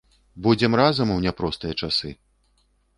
Будзем разам у няпростыя часы!